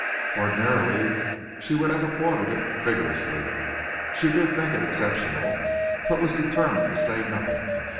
Ordinarily she would have applauded it vigorously. She did think it exceptional, but was determined to say nothing.